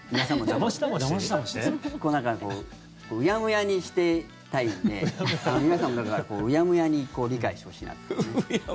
なんか、こううやむやにしていたいので皆さんも、うやむやに理解してほしいなって。